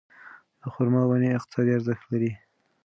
د خورما ونې اقتصادي ارزښت لري.